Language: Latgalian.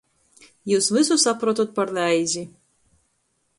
Jius vysu saprotot par reizi!